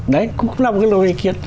đấy cũng là một cái luồng ý kiến